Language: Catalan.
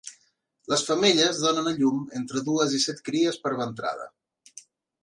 Les femelles donen a llum entre dues i set cries per ventrada.